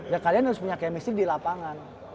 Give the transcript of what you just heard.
ya kalian harus punya chemistry di lapangan